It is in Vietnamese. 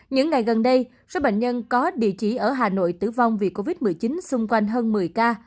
những ngày gần đây số bệnh nhân có địa chỉ ở hà nội tử vong vì covid một mươi chín xung quanh hơn một mươi ca